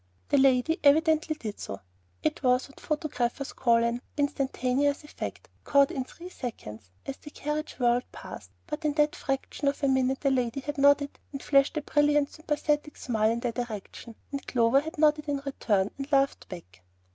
The lady evidently did so. It was what photographers call an "instantaneous effect," caught in three seconds, as the carriage whirled past; but in that fraction of a minute the lady had nodded and flashed a brilliant, sympathetic smile in their direction, and Clover had nodded in return, and laughed back.